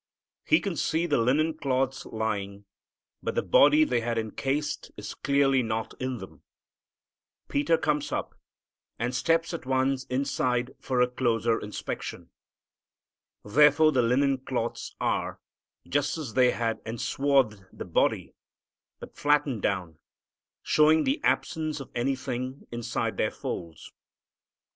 He can see the linen cloths lying; but the body they had encased is clearly not in them. Peter comes up, and steps at once inside for a closer inspection. There the linen cloths are, just as they had enswathed the body, but flattened down, showing the absence of anything inside their folds.